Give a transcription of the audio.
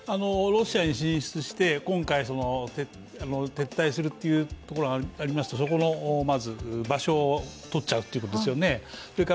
ロシアに進出して、今回撤退するというところがありまして、そこの場所を取っちゃうということですね。